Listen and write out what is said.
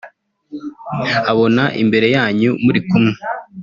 abona imbere yanyu muri kumwe